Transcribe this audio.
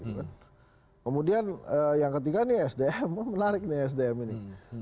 kemudian yang ketiga ini sdm menarik nih sdm ini